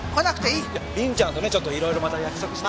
いやりんちゃんとねちょっといろいろまた約束して。